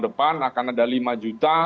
depan akan ada lima juta